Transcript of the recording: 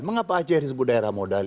mengapa aceh disebut daerah modal